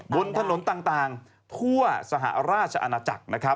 บนถนนต่างทั่วสหราชอาณาจักร